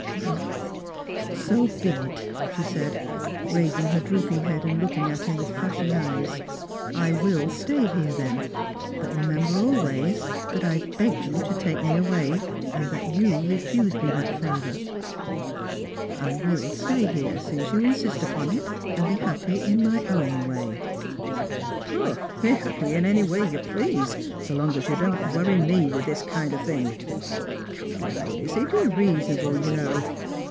So be it," she said, raising her drooping head and looking at him with flashing eyes. " I will stay here, then. But remember always that I begged you to take me away, and that you refused me that favour. I will stay here, since you insist upon it, and be happy in my own way." " Be happy any way you please, so long as you don't worry me with this kind of thing. Come, now, Lizzie, be reasonable, you know.